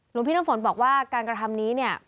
พี่น้ำฝนบอกว่าการกระทำนี้เนี่ย